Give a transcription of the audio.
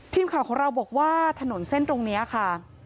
ทีมข่าวของเราบอกว่าถนนเส้นตรงนี้ค่ะ